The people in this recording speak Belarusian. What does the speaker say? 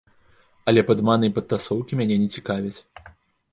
Але падманы і падтасоўкі мяне не цікавяць.